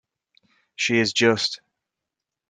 She is just.